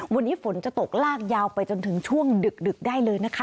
วันนี้ฝนจะตกลากยาวไปจนถึงช่วงดึกได้เลยนะคะ